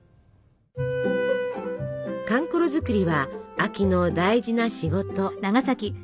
かんころ作りは秋の大事な仕事。